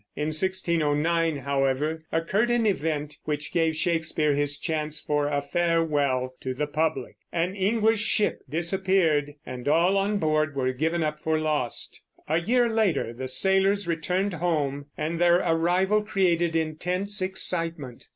In 1609, however, occurred an event which gave Shakespeare his chance for a farewell to the public. An English ship disappeared, and all on board were given up for lost. A year later the sailors returned home, and their arrival created intense excitement.